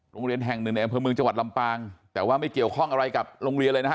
โรงเรียนแห่งหนึ่งในอำเภอเมืองจังหวัดลำปางแต่ว่าไม่เกี่ยวข้องอะไรกับโรงเรียนเลยนะฮะ